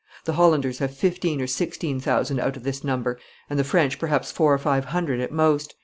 The Hollanders have fifteen or sixteen thousand out of this number, and the French perhaps four or five hundred at most.